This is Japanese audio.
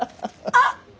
あっ！